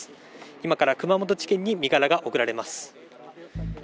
今から熊本地検に身柄が送られます。